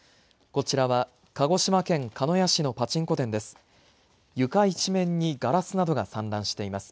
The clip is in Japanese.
こちらは鹿児島県鹿屋市のパチンコ店です。